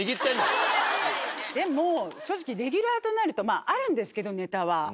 でも正直レギュラーとなるとまぁあるんですけどネタは。